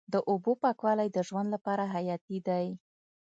د اوبو پاکوالی د ژوند لپاره حیاتي دی.